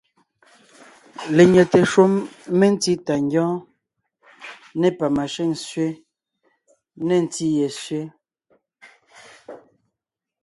Lenyɛte shúm mentí tà ngyɔ́ɔn, nê pamashʉ́ŋ sẅé, nê ntí ye sẅé,